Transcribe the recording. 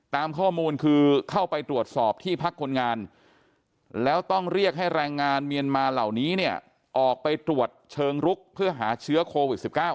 ตามข้อมูลคือเข้าไปตรวจสอบที่พักคนงานแล้วต้องเรียกให้แรงงานเมียนมาเหล่านี้เนี่ยออกไปตรวจเชิงลุกเพื่อหาเชื้อโควิด๑๙